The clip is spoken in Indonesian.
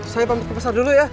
saya ke pasar dulu ya